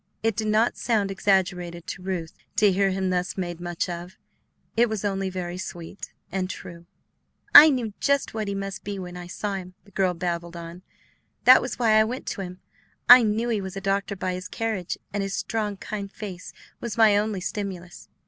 It did not sound exaggerated to Ruth to hear him thus made much of. It was only very sweet and true. "I knew just what he must be when I saw him," the girl babbled on; "that was why I went to him. I knew he was a doctor by his carriage, and his strong, kind face was my only stimulus.